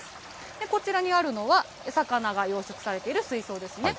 こちらにあるのは、魚が養殖されている水槽ですね。